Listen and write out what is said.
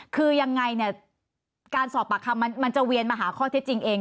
คือยังไงเนี่ยการสอบปากคำมันจะเวียนมาหาข้อเท็จจริงเอง